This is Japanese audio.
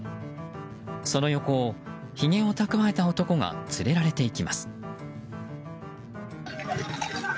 その横をひげをたくわえた男が連れられて行きます。